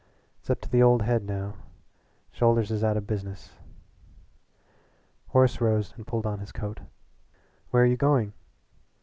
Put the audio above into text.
It's up to the old head now. Shoulders is out of business." Horace rose and pulled on his coat. "Where are you going?"